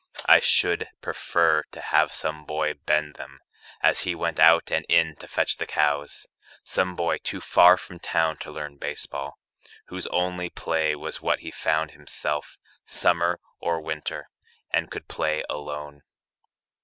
I should prefer to have some boy bend them As he went out and in to fetch the cows Some boy too far from town to learn baseball, Whose only play was what he found himself, Summer or winter, and could play alone.